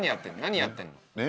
何やってんの？ね？